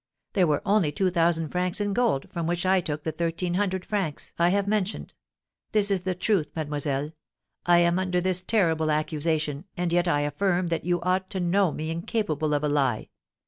There were only two thousand francs in gold, from which I took the thirteen hundred francs I have mentioned. This is the truth, mademoiselle. I am under this terrible accusation, and yet I affirm that you ought to know me incapable of a lie.